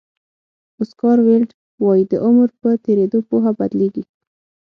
اوسکار ویلډ وایي د عمر په تېرېدو پوهه بدلېږي.